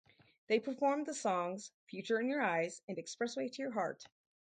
They performed the songs "Future in Your Eyes" and "Expressway to Your Heart".